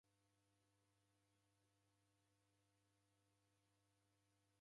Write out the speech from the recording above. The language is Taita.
Mrighiti wahoresha itanaha